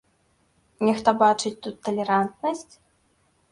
Нехта бачыць тут талерантнасць?